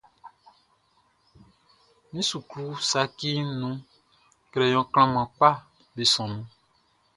Min suklu saciʼn nunʼn, crayon klanman kpaʼm be sɔnnin.